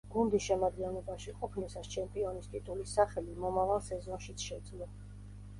გუნდის შემადგენლობაში ყოფნისას ჩემპიონის ტიტულის სახელი მომავალ სეზონშიც შეძლო.